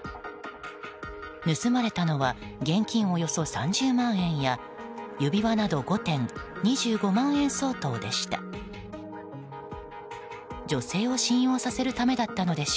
盗まれたのは現金およそ３０万円や指輪など５点２５万円相当でした。